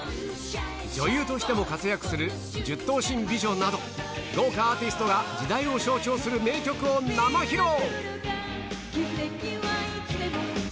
女優としても活躍する１０頭身美女など、豪華アーティストが、時代を象徴する名曲を生披露。